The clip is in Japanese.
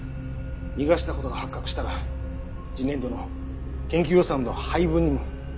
逃がした事が発覚したら次年度の研究予算の配分にも影響する。